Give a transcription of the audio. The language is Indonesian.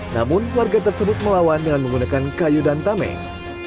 namun warga tersebut melawan dengan menggunakan kayu dan tameng